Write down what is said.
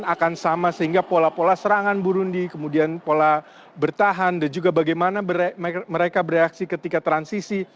dan akan sama sehingga pola pola serangan burundi kemudian pola bertahan dan juga bagaimana mereka bereaksi ketika transisi